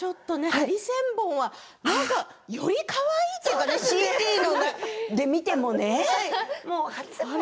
ハリセンボンはよりかわいいというかＣＴで見てもね。